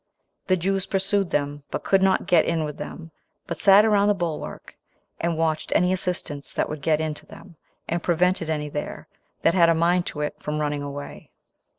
The Jews pursued them, but could not get in with them, but sat round about the bulwark, and watched any assistance that would get in to them, and prevented any there, that had a mind to it, from running away.